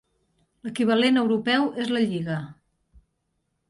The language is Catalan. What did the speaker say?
L'equivalent europeu es la lliga.